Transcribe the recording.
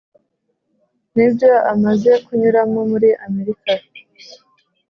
N’ibyo amaze kunyuramo muri Amerika.